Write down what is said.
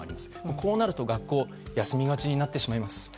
こうなると学校を休みがちになってしまいます。